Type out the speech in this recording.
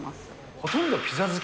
ほとんどピザ漬け。